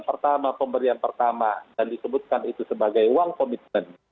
pertama pemberian pertama dan disebutkan itu sebagai uang komitmen